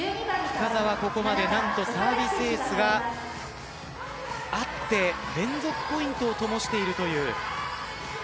深沢、ここまで何とサービスエースがあって連続ポイントを灯しているという。